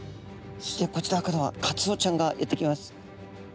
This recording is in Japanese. そしてこちらからはカツオちゃんがやって来ます。